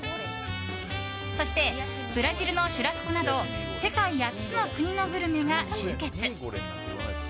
そしてブラジルのシュラスコなど世界８つの国のグルメが集結。